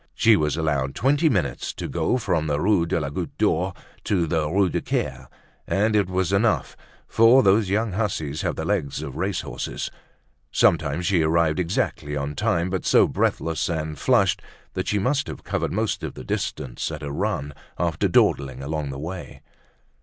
She was allowed twenty minutes to go from the Rue de la Goutte d'Or to the Rue du Caire, and it was enough, for these young hussies have the legs of racehorses. Sometimes she arrived exactly on time but so breathless and flushed that she must have covered most of the distance at a run after dawdling along the way.